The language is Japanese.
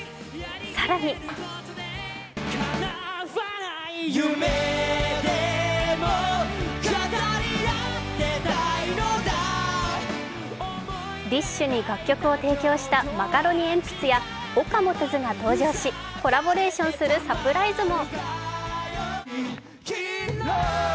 更にＤＩＳＨ／／に楽曲を提供したマカロニえんぴつやＯＫＡＭＯＴＯ’Ｓが登場し、コラボレーションするサプライズも。